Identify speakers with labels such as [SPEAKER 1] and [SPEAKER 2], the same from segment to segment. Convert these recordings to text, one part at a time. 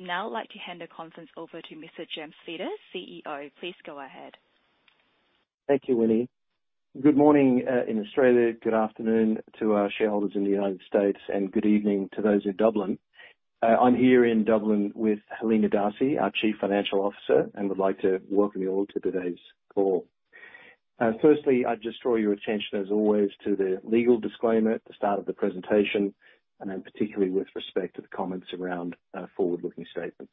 [SPEAKER 1] Now I'd like to hand the conference over to Mr. James Fitter, CEO. Please go ahead.
[SPEAKER 2] Thank you, Winnie. Good morning, in Australia, good afternoon to our shareholders in the United States, and good evening to those in Dublin. I'm here in Dublin with Helena D'Arcy, our Chief Financial Officer, and would like to welcome you all to today's call. Firstly, I'd just draw your attention, as always, to the legal disclaimer at the start of the presentation, and then particularly with respect to the comments around forward-looking statements.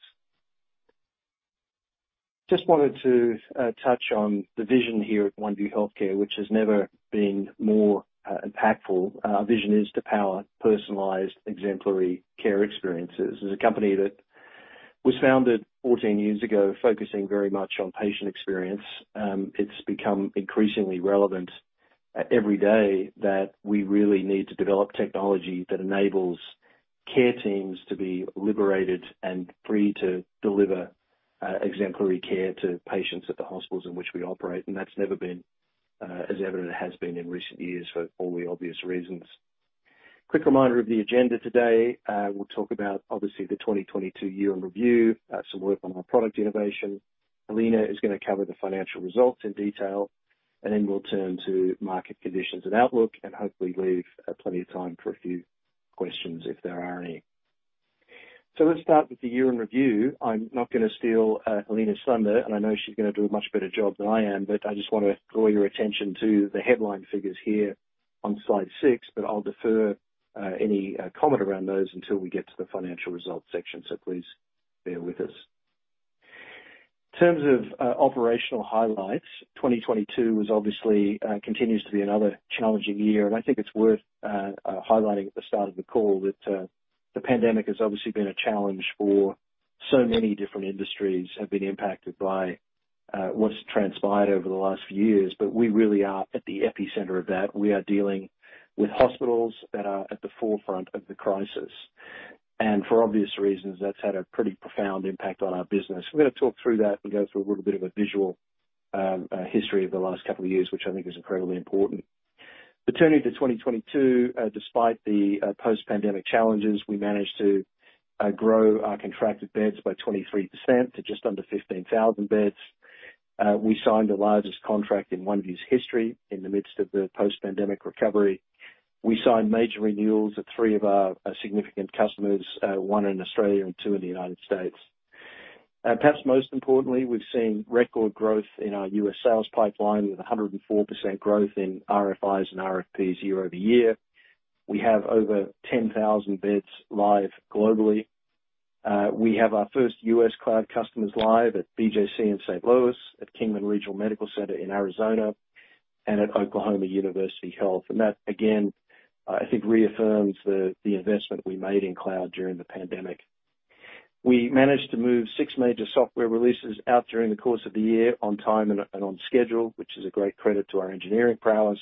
[SPEAKER 2] Just wanted to touch on the vision here at Oneview Healthcare, which has never been more impactful. Our vision is to power personalized, exemplary care experiences. As a company that was founded 14 years ago, focusing very much on patient experience, it's become increasingly relevant every day that we really need to develop technology that enables care teams to be liberated and free to deliver exemplary care to patients at the hospitals in which we operate. That's never been as evident as it has been in recent years for all the obvious reasons. Quick reminder of the agenda today. We'll talk about, obviously, the 2022 year in review, some work on our product innovation. Helena is gonna cover the financial results in detail, and then we'll turn to market conditions and outlook and hopefully leave plenty of time for a few questions if there are any. Let's start with the year in review. I'm not gonna steal Helena's thunder, and I know she's gonna do a much better job than I am, but I just wanna draw your attention to the headline figures here on slide six, but I'll defer any comment around those until we get to the financial results section. Please bear with us. In terms of operational highlights, 2022 was obviously continues to be another challenging year. I think it's worth highlighting at the start of the call that the pandemic has obviously been a challenge for so many different industries, have been impacted by what's transpired over the last few years. We really are at the epicenter of that. We are dealing with hospitals that are at the forefront of the crisis. For obvious reasons, that's had a pretty profound impact on our business. We're gonna talk through that and go through a little bit of a visual history of the last couple of years, which I think is incredibly important. Turning to 2022, despite the post-pandemic challenges, we managed to grow our contracted beds by 23% to just under 15,000 beds. We signed the largest contract in Oneview's history in the midst of the post-pandemic recovery. We signed major renewals at three of our significant customers, one in Australia and two in the United States. Perhaps most importantly, we've seen record growth in our U.S. sales pipeline with 104% growth in RFIs and RFPs year-over-year. We have over 10,000 beds live globally. We have our first U.S. cloud customers live at BJC in St. Louis, at Kingman Regional Medical Center in Arizona, and at Oklahoma University Health. That, again, I think reaffirms the investment we made in cloud during the pandemic. We managed to move six major software releases out during the course of the year on time and on schedule, which is a great credit to our engineering prowess.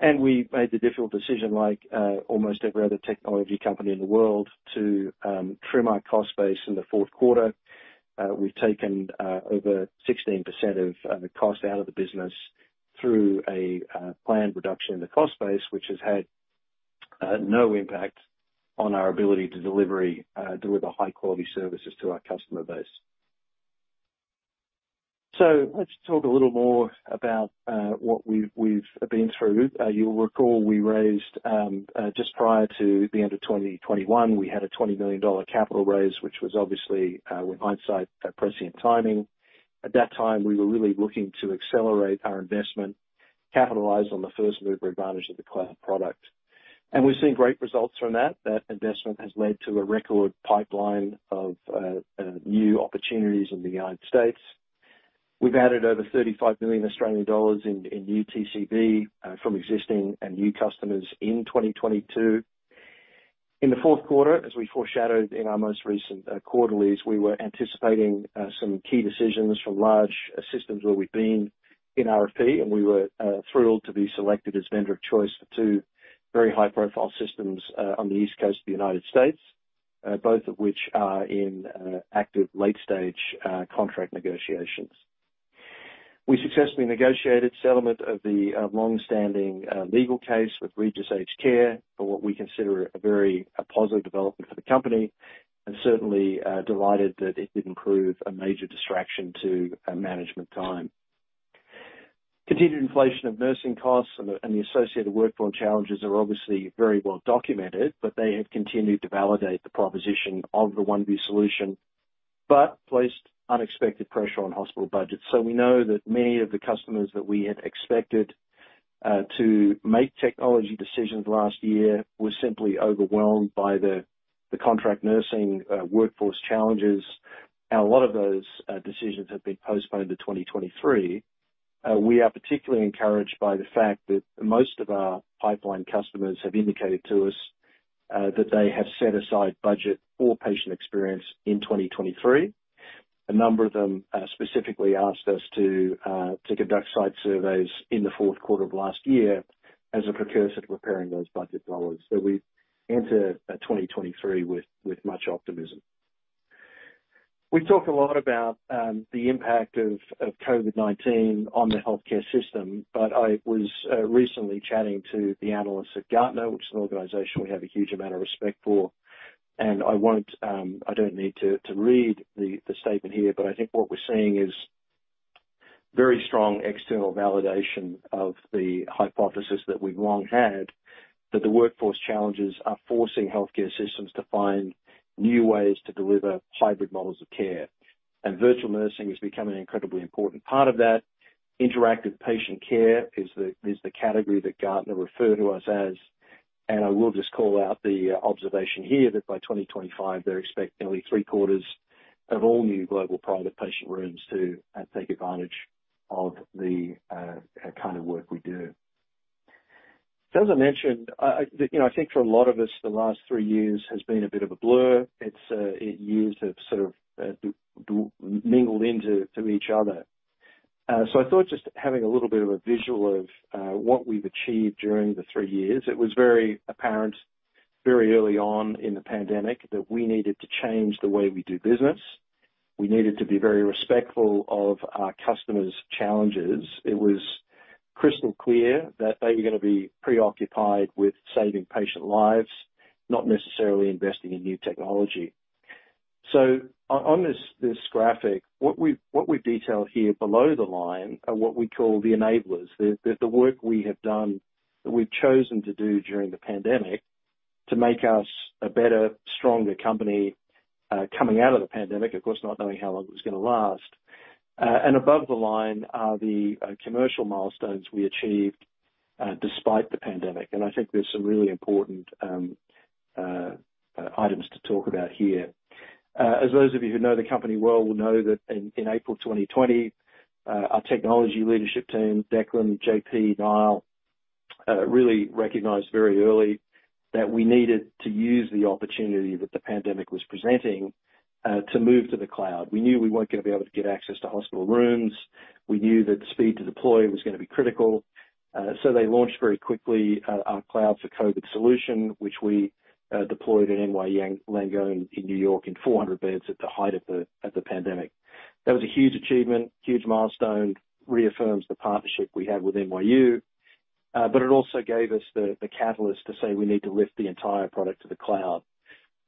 [SPEAKER 2] We made the difficult decision, like, almost every other technology company in the world, to trim our cost base in the fourth quarter. We've taken over 16% of the cost out of the business through a planned reduction in the cost base, which has had no impact on our ability to deliver high-quality services to our customer base. Let's talk a little more about what we've been through. You'll recall we raised, just prior to the end of 2021, we had a $20 million capital raise, which was obviously, with hindsight, prescient timing. At that time, we were really looking to accelerate our investment, capitalize on the first-mover advantage of the cloud product. We've seen great results from that. That investment has led to a record pipeline of new opportunities in the United States. We've added over 35 million Australian dollars in new TCB from existing and new customers in 2022. In the fourth quarter, as we foreshadowed in our most recent quarterlies, we were anticipating some key decisions from large systems where we've been in RFP, and we were thrilled to be selected as vendor of choice for two very high-profile systems on the East Coast of the United States, both of which are in active late-stage contract negotiations. We successfully negotiated settlement of the longstanding legal case with Regis Aged Care for what we consider a very positive development for the company, and certainly delighted that it didn't prove a major distraction to management time. Continued inflation of nursing costs and the associated workflow challenges are obviously very well documented, but they have continued to validate the proposition of the Oneview solution, but placed unexpected pressure on hospital budgets. We know that many of the customers that we had expected to make technology decisions last year were simply overwhelmed by the contract nursing workforce challenges. A lot of those decisions have been postponed to 2023. We are particularly encouraged by the fact that most of our pipeline customers have indicated to us that they have set aside budget for patient experience in 2023. A number of them specifically asked us to conduct site surveys in the fourth quarter of last year as a precursor to preparing those budget dollars. We enter 2023 with much optimism. We talk a lot about the impact of COVID-19 on the healthcare system. I was recently chatting to the analysts at Gartner, which is an organization we have a huge amount of respect for. I won't, I don't need to read the statement here. I think what we're seeing is very strong external validation of the hypothesis that we've long had, that the workforce challenges are forcing healthcare systems to find new ways to deliver hybrid models of care. Virtual nursing is becoming an incredibly important part of that. Interactive Patient Care is the category that Gartner refer to us as. I will just call out the observation here that by 2025 they're expecting nearly three-quarters of all new global private patient rooms to take advantage of the kind of work we do. As I mentioned, you know, I think for a lot of us, the last three years has been a bit of a blur. It's years have sort of mingled into each other. I thought just having a little bit of a visual of what we've achieved during the three years, it was very apparent very early on in the pandemic that we needed to change the way we do business. We needed to be very respectful of our customers' challenges. It was crystal clear that they were gonna be preoccupied with saving patient lives, not necessarily investing in new technology. On this graphic, what we've detailed here below the line are what we call the enablers. The work we have done, that we've chosen to do during the pandemic to make us a better, stronger company, coming out of the pandemic, of course, not knowing how long it was gonna last. Above the line are the commercial milestones we achieved despite the pandemic, and I think there's some really important items to talk about here. As those of you who know the company well will know that in April 2020, our technology leadership team, Declan, JP, Niall, really recognized very early that we needed to use the opportunity that the pandemic was presenting to move to the cloud. We knew we weren't gonna be able to get access to hospital rooms. We knew that speed to deploy was gonna be critical. They launched very quickly our Cloud for COVID solution, which we deployed at NYU Langone in New York in 400 beds at the height of the pandemic. That was a huge achievement, huge milestone, reaffirms the partnership we have with NYU. It also gave us the catalyst to say we need to lift the entire product to the cloud.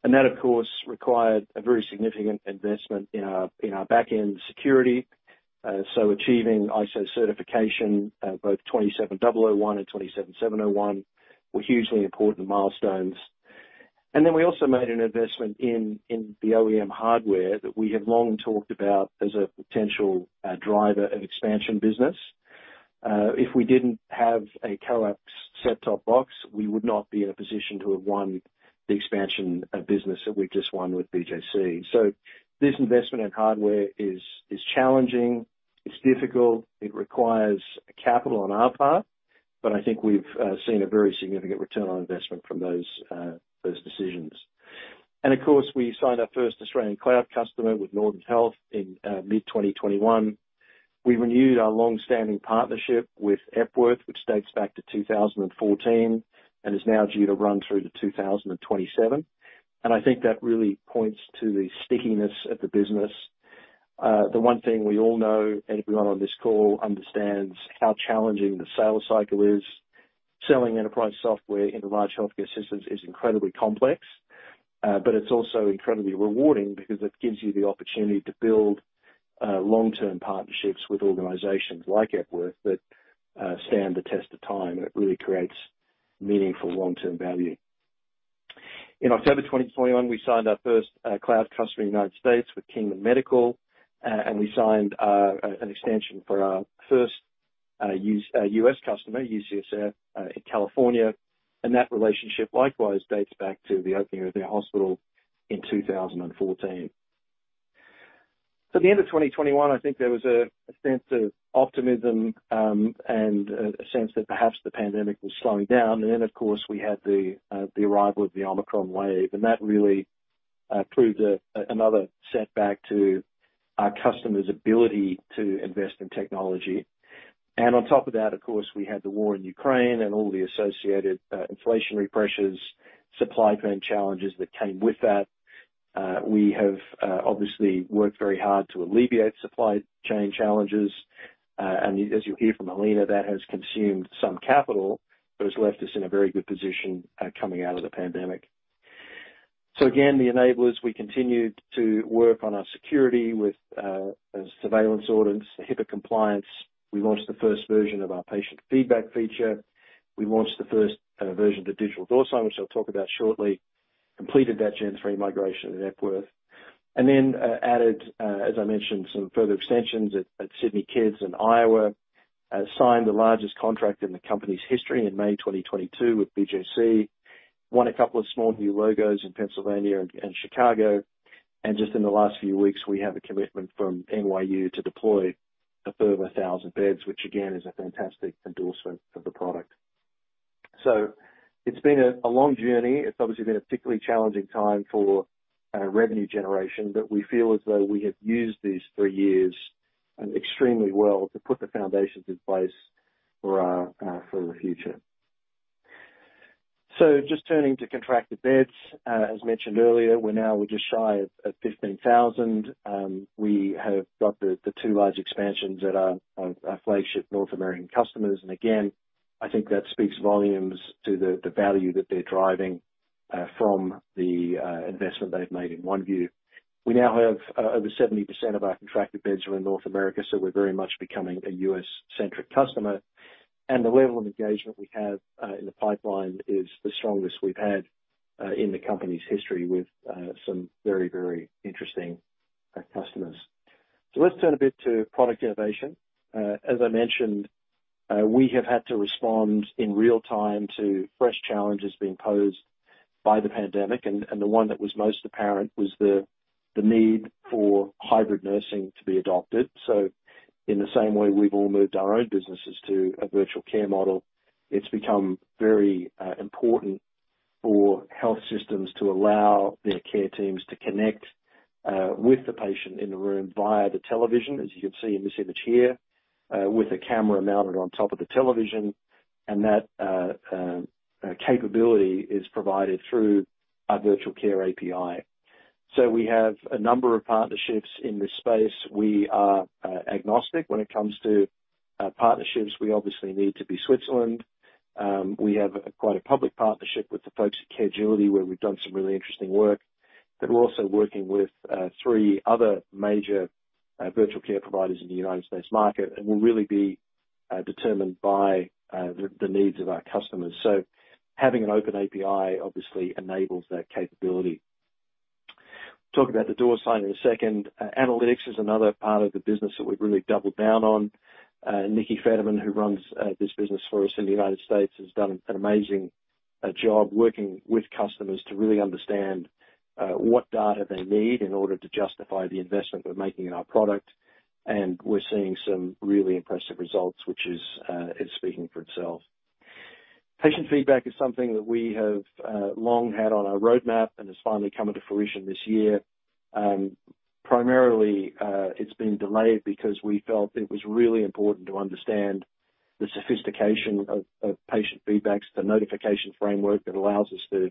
[SPEAKER 2] That, of course, required a very significant investment in our, in our back-end security. So achieving ISO certification, both ISO 27001 and ISO 27701 were hugely important milestones. Then we also made an investment in the OEM hardware that we have long talked about as a potential driver of expansion business. If we didn't have a Telux set-top box, we would not be in a position to have won the expansion of business that we've just won with BJC. This investment in hardware is challenging, it's difficult, it requires capital on our part, but I think we've seen a very significant return on investment from those decisions. Of course, we signed our first Australian cloud customer with Northern Health in mid-2021. We renewed our long-standing partnership with Epworth, which dates back to 2014 and is now due to run through to 2027. I think that really points to the stickiness of the business. The one thing we all know, everyone on this call understands how challenging the sales cycle is. Selling enterprise software into large healthcare systems is incredibly complex, but it's also incredibly rewarding because it gives you the opportunity to build long-term partnerships with organizations like Epworth that stand the test of time, and it really creates meaningful long-term value. In October 2021, we signed our first cloud customer in the United States with Kingman Medical, and we signed an extension for our first U.S. customer, UCSF, in California. That relationship likewise dates back to the opening of their hospital in 2014. At the end of 2021, I think there was a sense of optimism, and a sense that perhaps the pandemic was slowing down. Of course, we had the arrival of the Omicron wave. That really proved another setback to our customers' ability to invest in technology. On top of that, of course, we had the war in Ukraine and all the associated inflationary pressures, supply chain challenges that came with that. We have obviously worked very hard to alleviate supply chain challenges. As you'll hear from Helena, that has consumed some capital but has left us in a very good position coming out of the pandemic. Again, the enablers, we continued to work on our security with a surveillance audit, HIPAA compliance. We launched the first version of our patient feedback feature. We launched the first version of the Digital Door Sign, which I'll talk about shortly. Completed that Gen 3 migration at Epworth, then as I mentioned, some further extensions at Sydney Kids and Iowa. Signed the largest contract in the company's history in May 2022 with BJC. Won a couple of small new logos in Pennsylvania and Chicago. Just in the last few weeks, we have a commitment from NYU to deploy a further 1,000 beds, which again is a fantastic endorsement of the product. It's been a long journey. It's obviously been a particularly challenging time for revenue generation, but we feel as though we have used these three years extremely well to put the foundations in place for our for the future. Just turning to contracted beds. As mentioned earlier, we're now just shy of 15,000. We have got the two large expansions that are our flagship North American customers. Again, I think that speaks volumes to the value that they're driving from the investment they've made in Oneview. We now have over 70% of our contracted beds are in North America, so we're very much becoming a U.S.-centric customer. The level of engagement we have in the pipeline is the strongest we've had in the company's history with some very interesting customers. Let's turn a bit to product innovation. As I mentioned, we have had to respond in real time to fresh challenges being posed by the pandemic, and the one that was most apparent was the need for hybrid nursing to be adopted. In the same way we've all moved our own businesses to a virtual care model, it's become very important for health systems to allow their care teams to connect with the patient in the room via the television, as you can see in this image here, with a camera mounted on top of the television, and that capability is provided through our virtual care API. We have a number of partnerships in this space. We are agnostic when it comes to partnerships. We obviously need to be Switzerland. We have quite a public partnership with the folks at Caregility, where we've done some really interesting work. We're also working with three other major virtual care providers in the United States market, and we'll really be determined by the needs of our customers. Having an open API obviously enables that capability. Talk about the Door Sign in a second. Analytics is another part of the business that we've really doubled down on. Nikki Federman, who runs this business for us in the United States, has done an amazing job working with customers to really understand what data they need in order to justify the investment we're making in our product. We're seeing some really impressive results, which is speaking for itself. Patient feedback is something that we have long had on our roadmap and has finally come into fruition this year. Primarily, it's been delayed because we felt it was really important to understand the sophistication of patient feedback, the notification framework that allows us to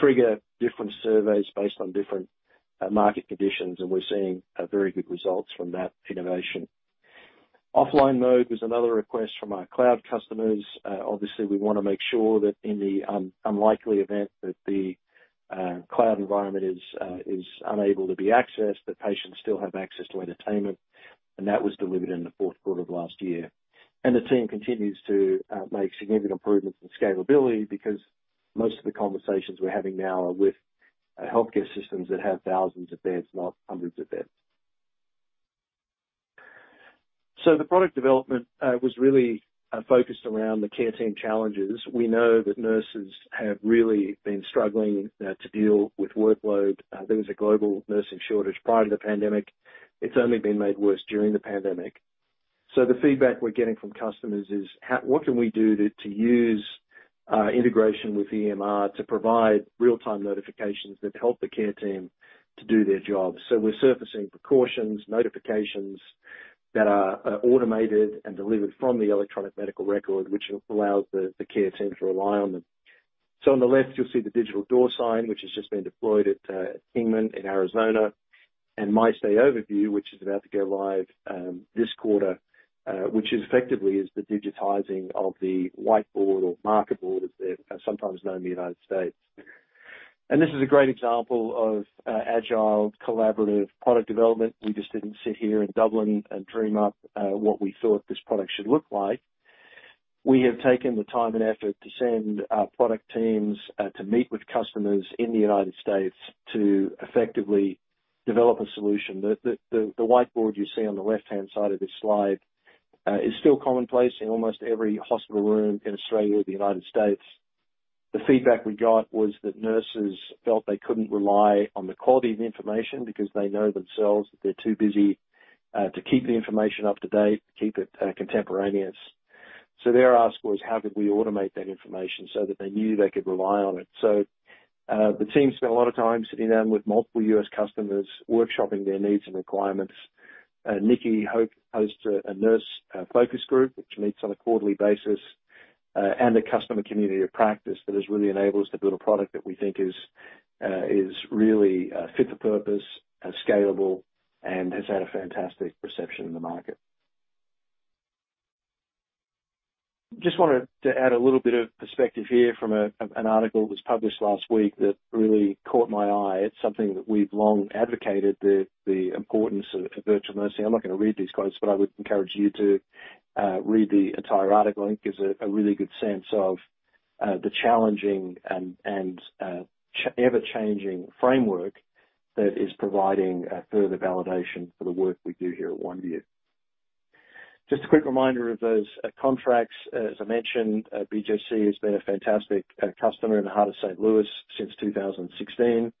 [SPEAKER 2] trigger different surveys based on different market conditions. We're seeing very good results from that innovation. Offline mode was another request from our cloud customers. Obviously we wanna make sure that in the unlikely event that the cloud environment is unable to be accessed, that patients still have access to entertainment. That was delivered in the fourth quarter of last year. The team continues to make significant improvements in scalability because most of the conversations we're having now are with healthcare systems that have thousands of beds, not hundreds of beds. The product development was really focused around the care team challenges. We know that nurses have really been struggling to deal with workload. There was a global nursing shortage prior to the pandemic. It's only been made worse during the pandemic. The feedback we're getting from customers is what can we do to use integration with EMR to provide real-time notifications that help the care team to do their job. We're surfacing precautions, notifications that are automated and delivered from the electronic medical record, which allows the care team to rely on them. On the left, you'll see the Digital Door Sign, which has just been deployed at Kingman in Arizona, and My Stay Overview, which is about to go live this quarter, which effectively is the digitizing of the whiteboard or marker board, as they're sometimes known in the United States. This is a great example of agile, collaborative product development. We just didn't sit here in Dublin and dream up what we thought this product should look like. We have taken the time and effort to send our product teams to meet with customers in the United States to effectively develop a solution. The whiteboard you see on the left-hand side of this slide is still commonplace in almost every hospital room in Australia or the United States. The feedback we got was that nurses felt they couldn't rely on the quality of the information because they know themselves that they're too busy to keep the information up to date, keep it contemporaneous. Their ask was, how could we automate that information so that they knew they could rely on it? The team spent a lot of time sitting down with multiple U.S. customers, workshopping their needs and requirements. Nikki hosts a nurse focus group, which meets on a quarterly basis, and a customer community of practice that has really enabled us to build a product that we think is really fit for purpose, scalable, and has had a fantastic reception in the market. Just wanted to add a little bit of perspective here from an article that was published last week that really caught my eye. It's something that we've long advocated the importance of virtual nursing. I'm not gonna read these quotes, I would encourage you to read the entire article. I think it gives a really good sense of the challenging and ever-changing framework that is providing further validation for the work we do here at Oneview. Just a quick reminder of those contracts. As I mentioned, BJC has been a fantastic customer in the heart of St. Louis since 2016.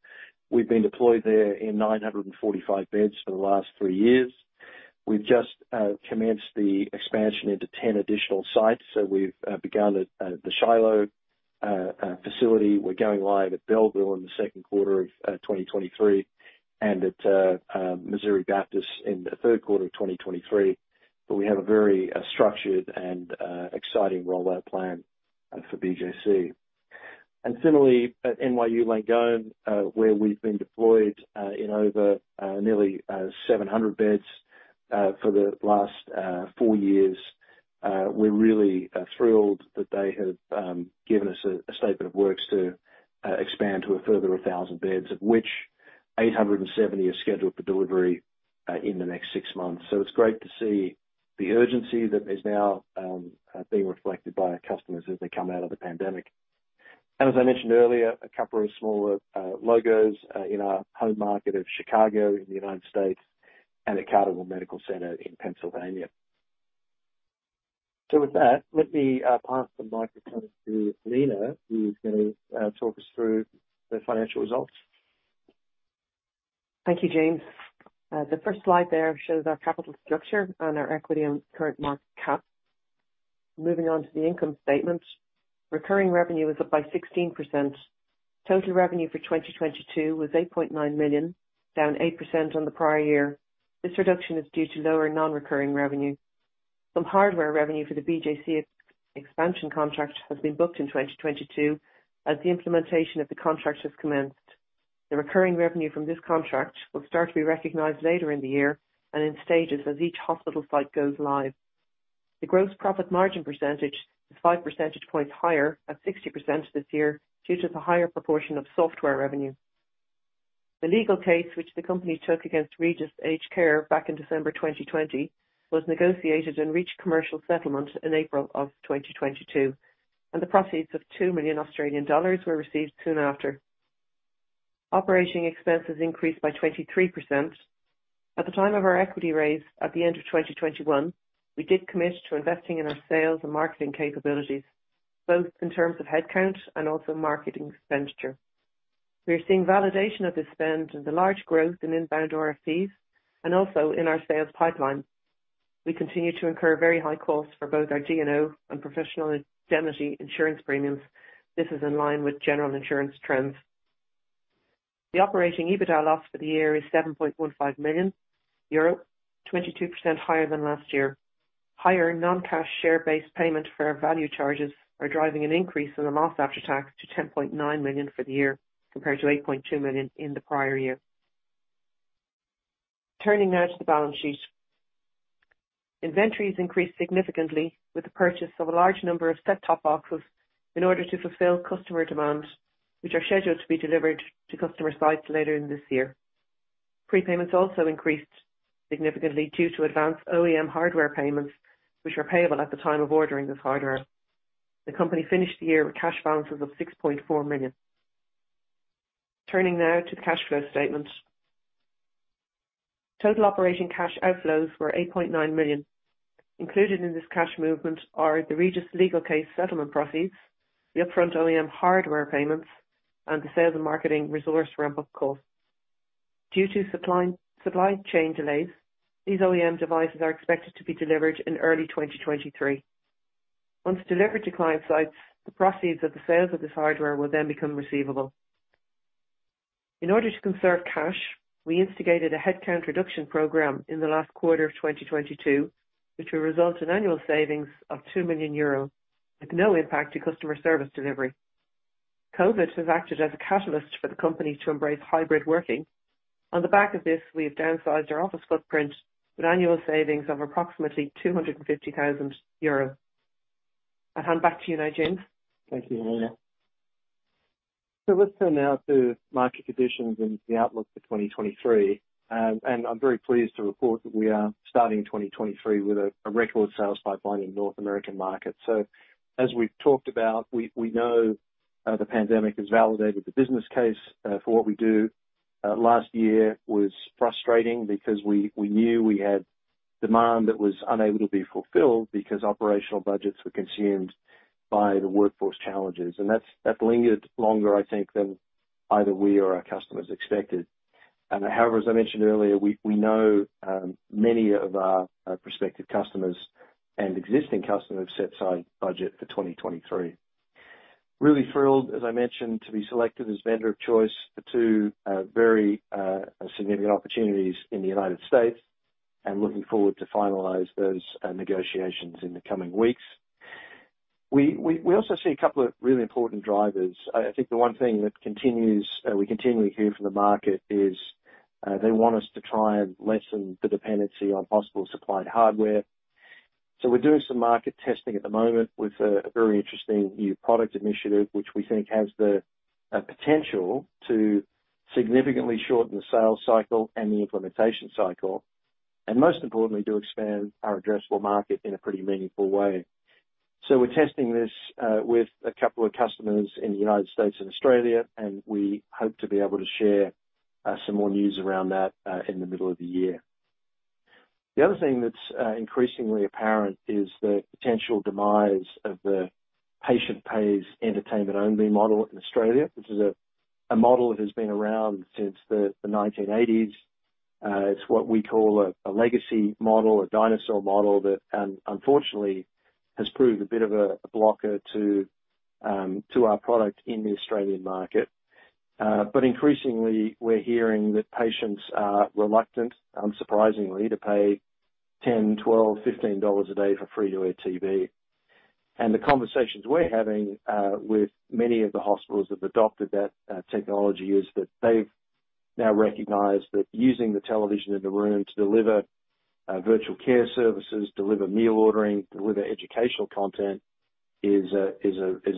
[SPEAKER 2] We've been deployed there in 945 beds for the last three years. We've just commenced the expansion into 10 additional sites. We've begun at the Shiloh facility. We're going live at Belleville in the second quarter of 2023 and at Missouri Baptist in the third quarter of 2023. We have a very structured and exciting rollout plan for BJC. Similarly, at NYU Langone, where we've been deployed in over nearly 700 beds for the last four years, we're really thrilled that they have given us a statement of works to expand to a further 1,000 beds, of which 870 are scheduled for delivery in the next six months. It's great to see the urgency that is now being reflected by our customers as they come out of the pandemic. As I mentioned earlier, a couple of smaller logos in our home market of Chicago in the United States and at Cardinal Medical Center in Pennsylvania. With that, let me pass the microphone to Helena, who's gonna talk us through the financial results.
[SPEAKER 3] Thank you, James. The first slide there shows our capital structure and our equity and current market cap. Moving on to the income statement. Recurring revenue is up by 16%. Total revenue for 2022 was 8.9 million, down 8% on the prior year. This reduction is due to lower non-recurring revenue. Some hardware revenue for the BJC ex-expansion contract has been booked in 2022 as the implementation of the contract has commenced. The recurring revenue from this contract will start to be recognized later in the year and in stages as each hospital site goes live. The gross profit margin percentage is 5 percentage points higher at 60% this year due to the higher proportion of software revenue. The legal case which the company took against Regis Aged Care back in December 2020, was negotiated and reached commercial settlement in April 2022, and the proceeds of 2 million Australian dollars were received soon after. Operating expenses increased by 23%. At the time of our equity raise at the end of 2021, we did commit to investing in our sales and marketing capabilities, both in terms of headcount and also marketing expenditure. We are seeing validation of this spend and the large growth in inbound RFPs and also in our sales pipeline. We continue to incur very high costs for both our GNO and professional indemnity insurance premiums. This is in line with general insurance trends. The operating EBITDA loss for the year is 7.15 million euro, 22% higher than last year. Higher non-cash share-based payment for our value charges are driving an increase in the loss after tax to 10.9 million for the year, compared to 8.2 million in the prior year. Turning now to the balance sheet. Inventories increased significantly with the purchase of a large number of set-top boxes in order to fulfill customer demand, which are scheduled to be delivered to customer sites later in this year. Prepayments also increased significantly due to advanced OEM hardware payments, which are payable at the time of ordering this hardware. The company finished the year with cash balances of 6.4 million. Turning now to the cash flow statement. Total operating cash outflows were 8.9 million. Included in this cash movement are the Regis legal case settlement proceeds, the upfront OEM hardware payments, and the sales and marketing resource ramp-up cost. Due to supply chain delays, these OEM devices are expected to be delivered in early 2023. Once delivered to client sites, the proceeds of the sales of this hardware will become receivable. In order to conserve cash, we instigated a headcount reduction program in the last quarter of 2022, which will result in annual savings of 2 million euros with no impact to customer service delivery. COVID has acted as a catalyst for the company to embrace hybrid working. On the back of this, we have downsized our office footprint with annual savings of approximately 250,000 euros. I'll hand back to you now, James.
[SPEAKER 2] Thank you, Helena. Let's turn now to market conditions and the outlook for 2023. I'm very pleased to report that we are starting 2023 with a record sales pipeline in North American market. As we've talked about, we know the pandemic has validated the business case for what we do. Last year was frustrating because we knew we had demand that was unable to be fulfilled because operational budgets were consumed by the workforce challenges. That lingered longer, I think, than either we or our customers expected. However, as I mentioned earlier, we know many of our prospective customers and existing customers set aside budget for 2023. Really thrilled, as I mentioned, to be selected as vendor of choice for two very significant opportunities in the United States. Looking forward to finalize those negotiations in the coming weeks. We also see a couple of really important drivers. I think the one thing that continues, we continually hear from the market is they want us to try and lessen the dependency on hospital-supplied hardware. We're doing some market testing at the moment with a very interesting new product initiative, which we think has the potential to significantly shorten the sales cycle and the implementation cycle, and most importantly, to expand our addressable market in a pretty meaningful way. We're testing this with a couple of customers in the United States and Australia, and we hope to be able to share some more news around that in the middle of the year. The other thing that's increasingly apparent is the potential demise of the patient pays entertainment only model in Australia. This is a model that has been around since the 1980s. It's what we call a legacy model, a dinosaur model that unfortunately has proved a bit of a blocker to our product in the Australian market. Increasingly, we're hearing that patients are reluctant, unsurprisingly, to pay 10, 12, 15 dollars a day for free-to-air TV. The conversations we're having with many of the hospitals that have adopted that technology is that they've now recognized that using the television in the room to deliver virtual care services, deliver meal ordering, deliver educational content is a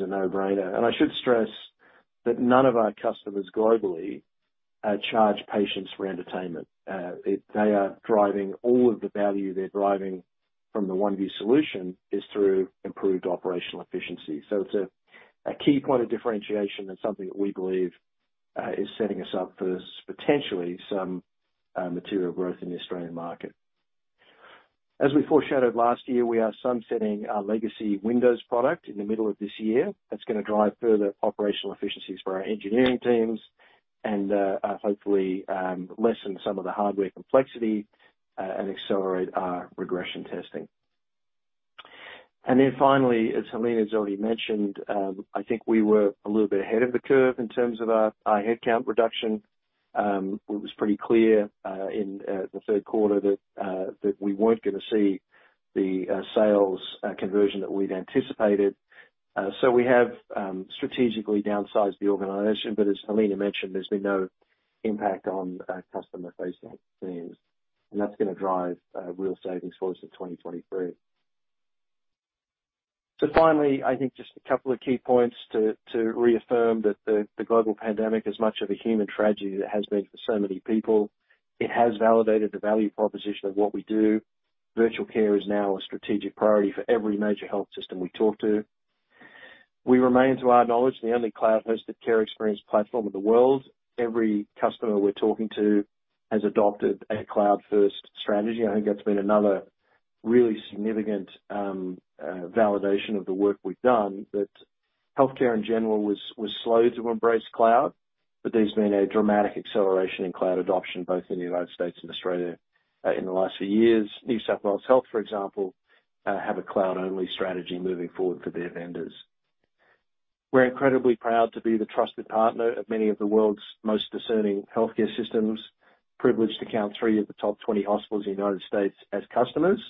[SPEAKER 2] no-brainer. I should stress that none of our customers globally charge patients for entertainment. They are driving all of the value they're driving from the Oneview solution is through improved operational efficiency. It's a key point of differentiation and something that we believe is setting us up for potentially some material growth in the Australian market. As we foreshadowed last year, we are sunsetting our legacy Windows product in the middle of this year. That's gonna drive further operational efficiencies for our engineering teams and hopefully lessen some of the hardware complexity and accelerate our regression testing. Then finally, as Helena has already mentioned, I think we were a little bit ahead of the curve in terms of our headcount reduction. It was pretty clear in the third quarter that we weren't gonna see the sales conversion that we'd anticipated. We have strategically downsized the organization, but as Helena mentioned, there's been no impact on our customer-facing teams, and that's gonna drive real savings for us in 2023. Finally, I think just a couple of key points to reaffirm that the global pandemic, as much of a human tragedy that it has been for so many people, it has validated the value proposition of what we do. Virtual care is now a strategic priority for every major health system we talk to. We remain, to our knowledge, the only cloud-hosted care experience platform in the world. Every customer we're talking to has adopted a cloud-first strategy. I think that's been another really significant validation of the work we've done. Healthcare in general was slow to embrace cloud, but there's been a dramatic acceleration in cloud adoption, both in the United States and Australia, in the last few years. New South Wales Health, for example, have a cloud-only strategy moving forward for their vendors. We're incredibly proud to be the trusted partner of many of the world's most discerning healthcare systems, privileged to count 3 of the top 20 hospitals in the United States as customers.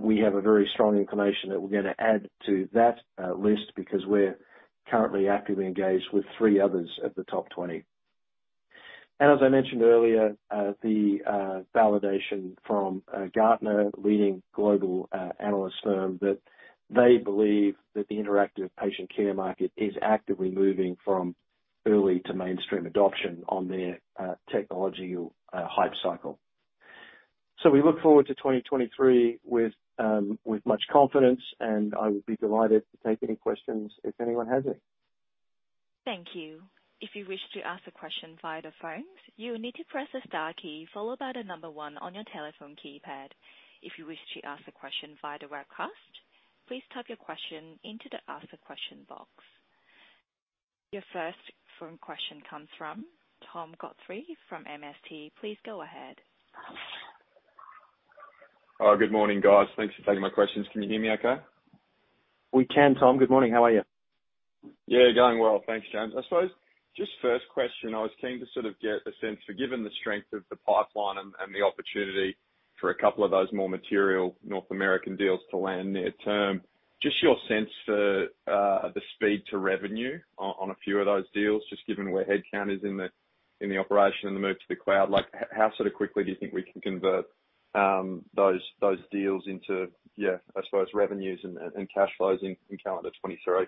[SPEAKER 2] We have a very strong inclination that we're gonna add to that list because we're currently actively engaged with 3 others at the top 20. As I mentioned earlier, the validation from Gartner, leading global analyst firm, that they believe that the Interactive Patient Care market is actively moving from early to mainstream adoption on their technology or Hype Cycle. We look forward to 2023 with much confidence. I would be delighted to take any questions if anyone has any.
[SPEAKER 1] Thank you. If you wish to ask a question via the phone, you will need to press the star key followed by 1 on your telephone keypad. If you wish to ask a question via the webcast, please type your question into the Ask a Question box. Your first phone question comes from Tom Godfrey from MST. Please go ahead.
[SPEAKER 4] Good morning, guys. Thanks for taking my questions. Can you hear me okay?
[SPEAKER 2] We can, Tom. Good morning. How are you?
[SPEAKER 4] Yeah, going well. Thanks, James. I suppose, just first question, I was keen to sort of get a sense for, given the strength of the pipeline and the opportunity for a couple of those more material North American deals to land near term, just your sense for the speed to revenue on a few of those deals, just given where headcount is in the, in the operation and the move to the cloud. Like, how sort of quickly do you think we can convert those deals into, yeah, I suppose revenues and cash flows in calendar 2023?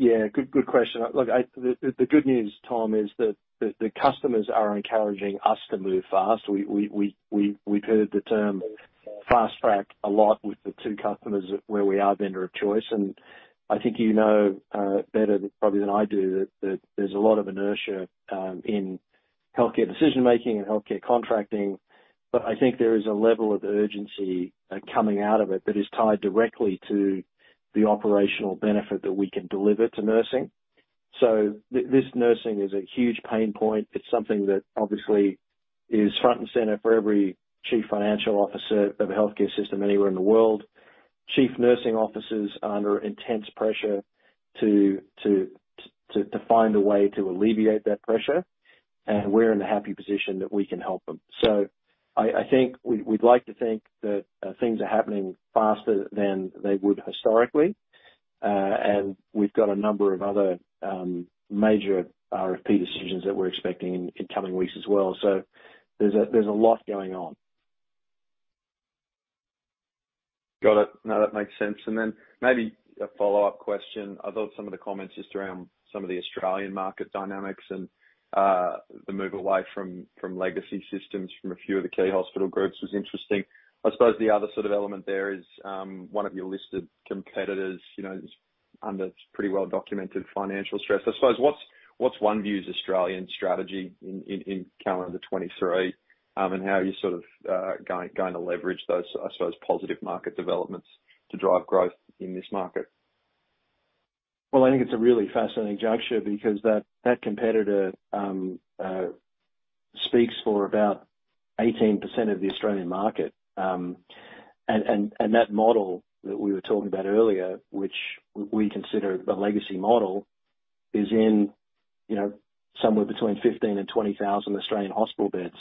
[SPEAKER 2] Yeah. Good question. Look, the good news, Tom, is that the customers are encouraging us to move fast. We've heard the term fast track a lot with the two customers where we are vendor of choice. I think you know, better probably than I do that there's a lot of inertia in healthcare decision-making and healthcare contracting. I think there is a level of urgency coming out of it that is tied directly to the operational benefit that we can deliver to nursing. This nursing is a huge pain point. It's something that obviously is front and center for every chief financial officer of a healthcare system anywhere in the world. Chief nursing officers are under intense pressure to find a way to alleviate that pressure, and we're in the happy position that we can help them. I think we'd like to think that things are happening faster than they would historically. And we've got a number of other major RFP decisions that we're expecting in coming weeks as well. There's a lot going on.
[SPEAKER 4] Got it. No, that makes sense. Maybe a follow-up question. I thought some of the comments just around some of the Australian market dynamics, the move away from legacy systems from a few of the key hospital groups was interesting. I suppose the other sort of element there is, one of your listed competitors, you know, is under pretty well-documented financial stress. I suppose, what's Oneview's Australian strategy in calendar 2023, how are you sort of going to leverage those, I suppose, positive market developments to drive growth in this market?
[SPEAKER 2] Well, I think it's a really fascinating juncture because that competitor Speaks for about 18% of the Australian market. That model that we were talking about earlier, which we consider the legacy model, is in, you know, somewhere between 15,000 and 20,000 Australian hospital beds.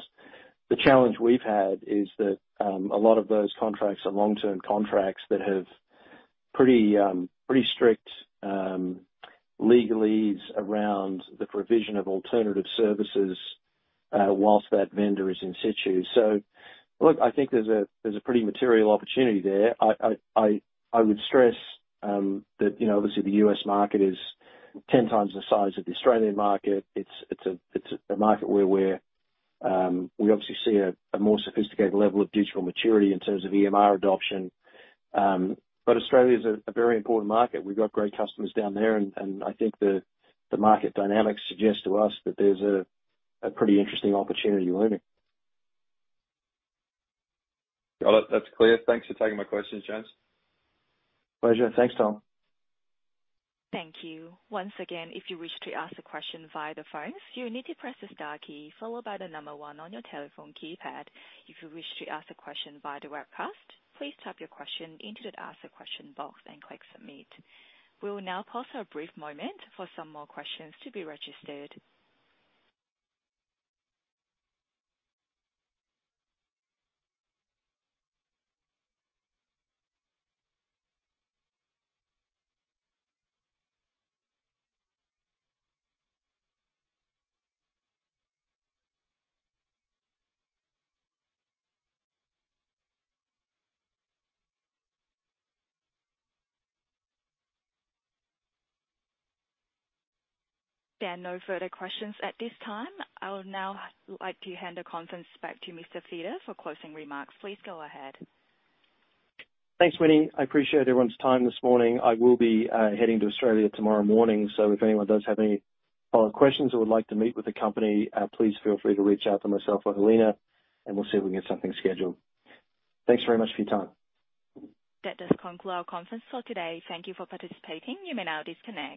[SPEAKER 2] The challenge we've had is that a lot of those contracts are long-term contracts that have pretty strict legalese around the provision of alternative services, whilst that vendor is in situ. Look, I think there's a pretty material opportunity there. I would stress that, you know, obviously the U.S. market is 10x the size of the Australian market. It's a market where we obviously see a more sophisticated level of digital maturity in terms of EMR adoption. Australia's a very important market. We've got great customers down there, and I think the market dynamics suggest to us that there's a pretty interesting opportunity waiting.
[SPEAKER 4] Got it. That's clear. Thanks for taking my questions, James.
[SPEAKER 2] Pleasure. Thanks, Tom.
[SPEAKER 1] Thank you. Once again, if you wish to ask a question via the phone, you need to press the star key followed by the number one on your telephone keypad. If you wish to ask a question via the webcast, please type your question into the ask a question box and click submit. We will now pause for a brief moment for some more questions to be registered. There are no further questions at this time. I would now like to hand the conference back to Mr. Fitter for closing remarks. Please go ahead.
[SPEAKER 2] Thanks, Winnie. I appreciate everyone's time this morning. I will be heading to Australia tomorrow morning, so if anyone does have any follow-up questions or would like to meet with the company, please feel free to reach out to myself or Helena, and we'll see if we can get something scheduled. Thanks very much for your time.
[SPEAKER 1] That does conclude our conference call today. Thank you for participating. You may now disconnect.